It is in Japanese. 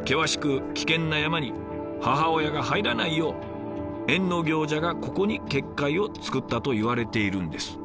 険しく危険な山に母親が入らないよう役行者がここに結界を作ったといわれているんです。